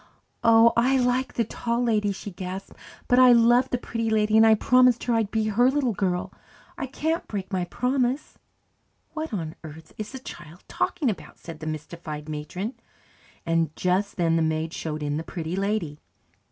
"Oh, I like the Tall Lady," she gasped, "but I love the Pretty Lady and I promised her I'd be her little girl. I can't break my promise." "What on earth is the child talking about?" said the mystified matron. And just then the maid showed in the Pretty Lady.